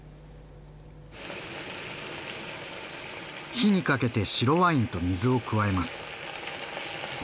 火にかけて白ワインと水を加えます。